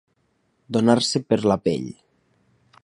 Donar-se per la pell.